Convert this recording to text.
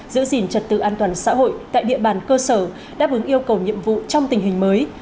giữ gìn trật tự an toàn xã hội tại địa bàn cơ sở đáp ứng yêu cầu nhiệm vụ trong tình hình mới